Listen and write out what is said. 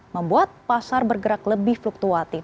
membuat pasar bergerak lebih fluktuatif